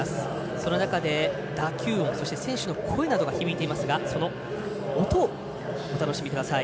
その中で打球音、選手の声などが響いていますがその音をお楽しみください。